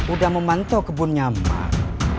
udah memantau kebunnya mak